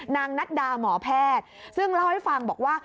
นางนัดดาหมอแพทย์ซึ่งเล่าให้ฟังบอกว่า